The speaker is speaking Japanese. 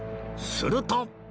すると